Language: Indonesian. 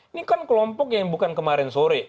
ini kan kelompok yang bukan kemarin sore